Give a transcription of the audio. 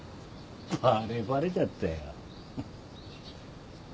バレバレじゃったよ。